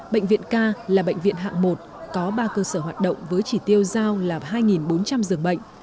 bệnh viện k là bệnh viện hạng một có ba cơ sở hoạt động với chỉ tiêu giao là hai bốn trăm linh giường bệnh